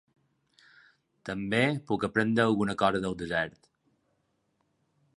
També puc aprendre alguna cosa del desert.